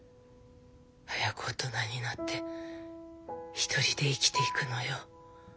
早く大人になって独りで生きていくのよ。